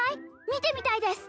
見てみたいです！